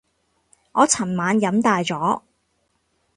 我尋晚飲大咗